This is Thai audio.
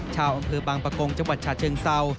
ชาวอำเภอบางประกงจังหวัดฉะเชิงเศร้า